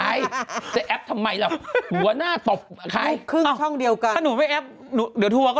ใครจะแอพทำไมอ่ะหัวหน้าตบใคร